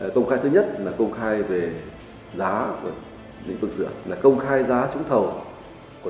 công khai thứ nhất là công khai về giá của lĩnh vực dựa là công khai giá trúng thầu